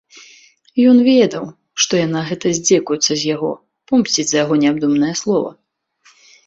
Ён ведаў, што яна гэта здзекуецца з яго, помсціць за яго неабдуманае слова.